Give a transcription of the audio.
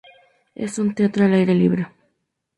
Es un teatro al aire libre.